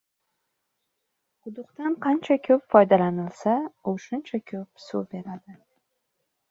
• Quduqdan qancha ko‘p foydalanilsa, u shuncha ko‘p suv beradi.